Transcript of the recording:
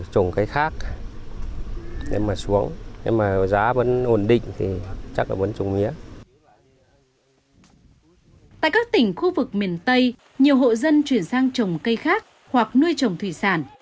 tại các tỉnh khu vực miền tây nhiều hộ dân chuyển sang trồng cây khác hoặc nuôi trồng thủy sản